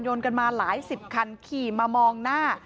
กันมาหลายสิบคันขี่มามองหน้า